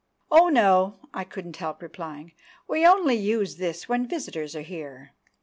"Oh, no," I couldn't help replying. "We only use this when visitors are here.